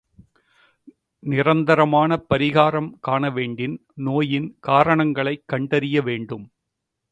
நிரந்தரமான பரிகாரம் காணவேண்டின் நோயின் காரணங்களைக் கண்டறிய வேண்டும்.